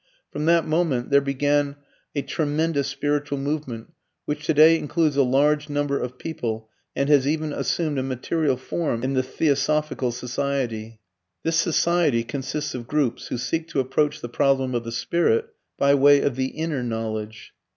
From that moment there began a tremendous spiritual movement which today includes a large number of people and has even assumed a material form in the THEOSOPHICAL SOCIETY. This society consists of groups who seek to approach the problem of the spirit by way of the INNER knowledge.